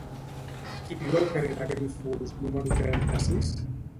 Qui viu al carrer de Grífols número trenta-sis?